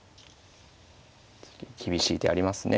厳しい手ありますね。